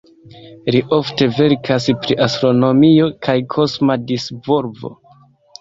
Li ofte verkas pri astronomio kaj kosma disvolvo.